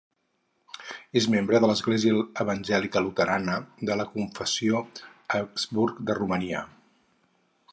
És membre de l'Església Evangèlica luterana de la Confessió Augsburg de Romania.